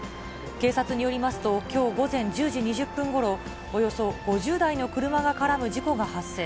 警察によりますと、きょう午前１０時２０分ごろ、およそ５０台の車が絡む事故が発生。